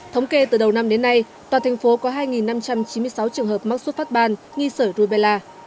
thống kê từ đầu năm đến nay toàn thành phố có hai năm trăm chín mươi sáu trường hợp mắc xuất phát ban nghi sở rùi bè la